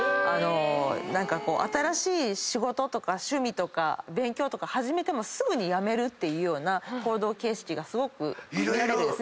新しい仕事とか趣味とか勉強とか始めてもすぐにやめるっていうような行動形式が見られるんですね。